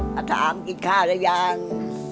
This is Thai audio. มาถามกินข้าวได้ยัง